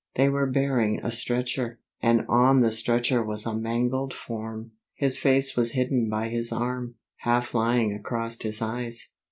They were bearing a stretcher, and on the stretcher was a mangled form. His face was hidden by his arm, half lying across his eyes.